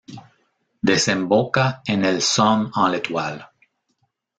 Desemboca en el Somme en l’Étoile.